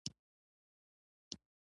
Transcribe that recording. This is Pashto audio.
• دښمني د غم سبب کېږي.